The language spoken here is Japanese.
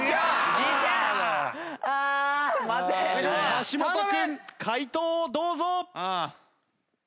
橋本君解答をどうぞ！